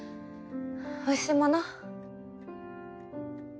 おいしいもの？